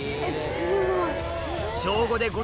すごい。